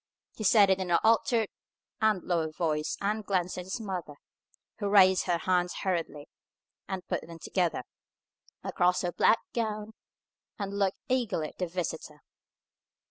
He said it in an altered and lower voice, and glanced at his mother, who raised her hands hurriedly, and put them together across her black gown, and looked eagerly at the visitor.